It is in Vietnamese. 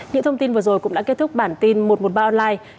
những thông tin vừa rồi cũng đã kết thúc bản tin một trăm một mươi ba online